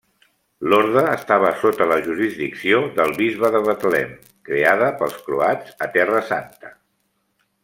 L'orde estava sota la jurisdicció del bisbe de Betlem, creada pels croats a Terra Santa.